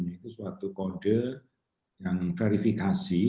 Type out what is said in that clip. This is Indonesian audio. itu suatu kode yang verifikasi